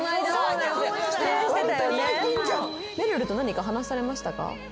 めるると何か話されましたか？